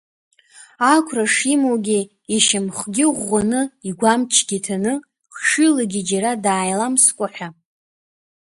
Ақәра шимоугьы, ишьамхгьы ӷәӷәаны, игәамчгьы ҭаны, хшыҩлагьы џьара дааиламскәа ҳәа.